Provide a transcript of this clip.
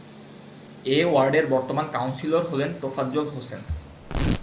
এ ওয়ার্ডের বর্তমান কাউন্সিলর হলেন তোফাজ্জল হোসেন।